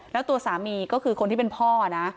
แล้วตัวสามีก็คือคนที่เป็นพ่อนะ